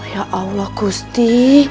ya allah gusti